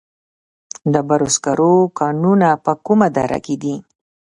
د ډبرو سکرو کانونه په کومه دره کې دي؟